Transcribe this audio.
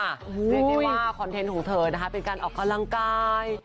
เรียกได้ว่าคอนเทนต์ของเธอนะคะเป็นการออกกำลังกาย